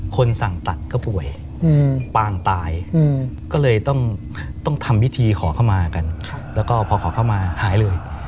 คนสั่งตัดก็ป่วยปางตาย